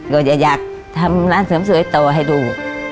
ก็จะอยากทำร้านเสริมสวยต่อให้ดู